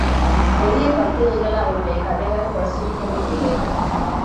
பெரிய பத்திரிகைகள், அவருடைய கதைகளைப் பிரசுரிக்கவே இல்லை.